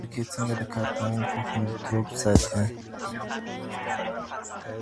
فابریکې څنګه د کارکوونکو خوندیتوب ساتي؟